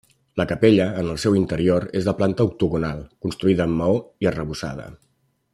La capella, en el seu interior, és de planta octogonal, construïda en maó i arrebossada.